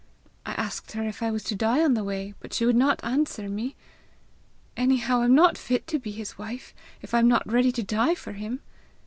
I asked her if I was to die on the way, but she would not answer me. Anyhow I'm not fit to be his wife, if I'm not ready to die for him!